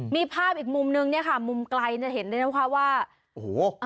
มีภาพอีกมุมนึงเนี่ยค่ะมุมไกลจะเห็นเลยนะคะว่าโอ้โห